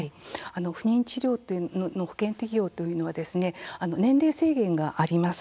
不妊治療の保険適用は年齢制限があります。